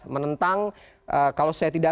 menentang kalau saya tidak